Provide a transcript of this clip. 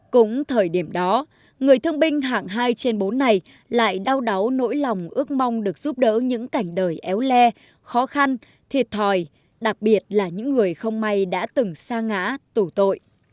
cũng thời điểm đó người thương binh hạng hai trên bốn này lại đau đáu nỗi lòng ước mong được giúp đỡ những cảnh đời éo le khó khăn thiệt thòi đặc biệt là những người không may đã từng xa ngã tủ tội